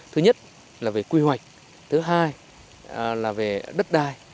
thứ nhất là về quy hoạch thứ hai là về đất đai